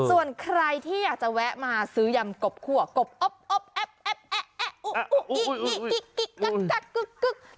ส่วนใครที่อยากจะแวะมาซื้อยำกบคั่วกบอบอบแอบแอบแอบอุ๊ยอุ๊ยอุ๊ย